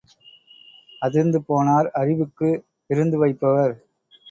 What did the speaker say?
அதிர்ந்து போனார் அறிவுக்கு விருந்து வைப்பவர்.